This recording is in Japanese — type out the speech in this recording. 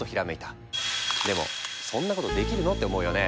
でもそんなことできるの？って思うよね？